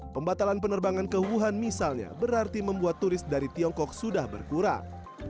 pembatalan penerbangan ke wuhan misalnya berarti membuat turis dari tiongkok sudah berkurang